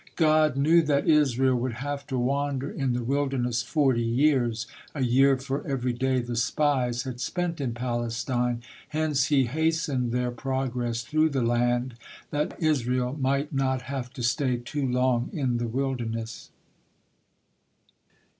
God knew that Israel would have to wander in the wilderness forty years, a year for every day the spies had spent in Palestine, hence He hastened their progress through the land, that Israel might not have to stay too long in the wilderness.